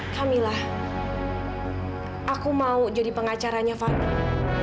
kamila aku mau jadi pengacaranya fadil